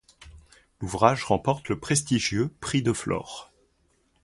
L'ouvrage remporte le prestigieux prix de Flore.